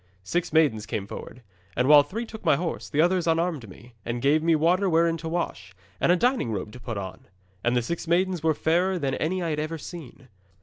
'Six maidens came forward, and while three took my horse, the others unarmed me, and gave me water wherein to wash, and a dining robe to put on. And the six maidens were fairer than any I had ever seen.